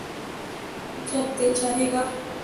جب دل چاھے گا